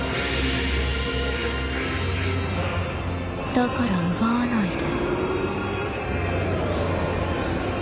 だから奪わないで。